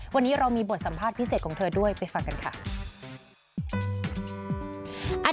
วันนี้เรามีบทสัมภาษณ์พิเศษของเธอด้วยไปฟังกันค่ะ